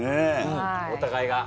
お互いが。